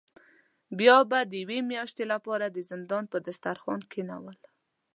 بیا به د یوې میاشتې له پاره د زندان په دسترخوان کینول.